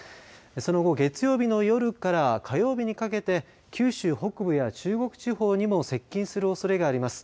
その後、月曜日の夜から火曜日にかけて九州北部や中国地方にも接近するおそれがあります。